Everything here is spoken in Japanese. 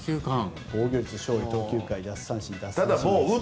防御率、勝利投球回、奪三振率。